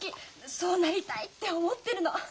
そうなりたいって思ってるの。